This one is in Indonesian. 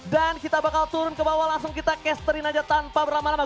dan kita bakal turun ke bawah langsung kita casterin aja tanpa berlama lama